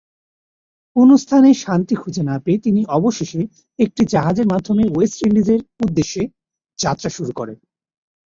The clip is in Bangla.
কোন স্থানেই শান্তি খুজে না পেয়ে তিনি অবশেষে একটি জাহাজের মাধ্যমে ওয়েস্ট ইন্ডিজের উদ্দেশ্যে যাত্রা শুরু করে।